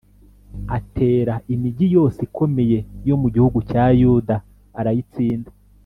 atera imigi yose ikomeye yo mu gihugu cya Yuda, arayitsinda.